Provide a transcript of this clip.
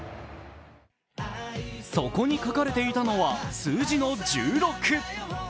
そこに書かれていたのは数字の１６。